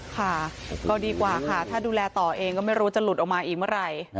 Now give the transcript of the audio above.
ค่ะก็ดีกว่าค่ะถ้าดูแลต่อเองก็ไม่รู้จะหลุดออกมาอีกเมื่อไหร่